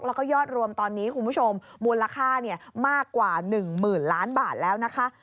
แล้วก็ยอดรวมตอนนี้คุณผู้ชมมูลค่ามากกว่า๑๐๐๐ล้านบาทแล้วนะคะ